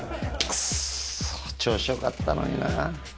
くっそ、調子よかったのにな。